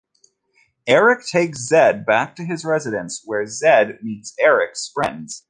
Eric takes Zed back to his residence where Zed meets Eric's friends.